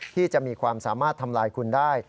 ที่จะมีความสามารถทำลายคุณได้